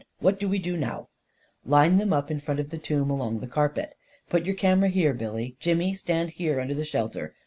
" What do we do now ?"" Line them up in front of the tomb, along the carpet. Put your camera here, Billy. Jimmy, stand here under the shelter.